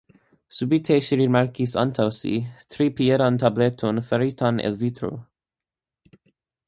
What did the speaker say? Subite ŝi rimarkis antaŭ si tripiedan tableton faritan el vitro.